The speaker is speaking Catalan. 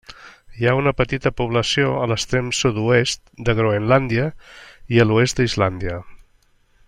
Hi ha una petita població a l'extrem sud-oest de Groenlàndia i l'oest d'Islàndia.